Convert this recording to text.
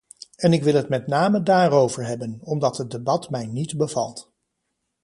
En ik wil het met name daarover hebben, omdat het debat mij niet bevalt.